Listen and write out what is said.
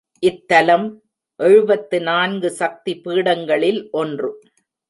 இத்தலம் எழுபத்து நான்கு சக்தி பீடங்களில் ஒன்று.